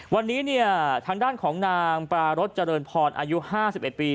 วันนี้เนี่ยทางด้านของนางปรารถเจริญพรอายุ๕๑ปี